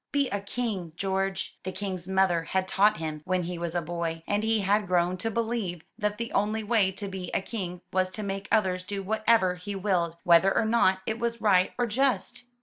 *'Be a King, George!" the King's mother had taught him when he was a boy, and he had grown to believe that the only way to be a King was to make others do whatever he willed, whether or not it was right or just.